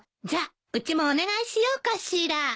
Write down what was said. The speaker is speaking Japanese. じゃうちもお願いしようかしら。